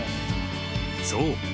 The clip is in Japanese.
［そう。